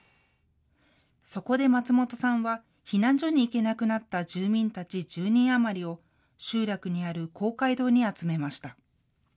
そこで松本さんは避難所に行けなくなった住民たち１０人余りを集落にある公会堂に集めました。